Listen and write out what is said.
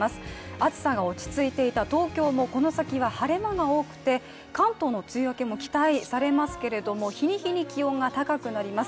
暑さが落ち着いていた東京もこの先は晴れ間が多くて関東の梅雨明けも期待されますけど日に日に気温が高くなります。